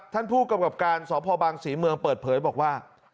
ท่านผู้กำกับการสพบังศรีเมืองเปิดเผยบอกว่า